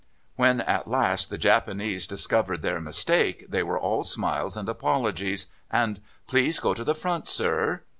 ] When at last the Japanese discovered their mistake they were all smiles and apologies, and "Please go to the front, sir."